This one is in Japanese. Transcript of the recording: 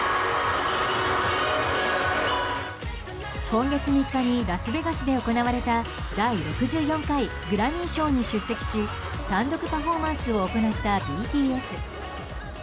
今月３日にラスベガスで行われた第６４回グラミー賞に出席し単独パフォーマンスを行ったＢＴＳ。